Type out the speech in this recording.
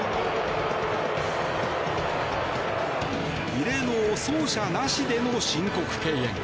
異例の走者なしでの申告敬遠。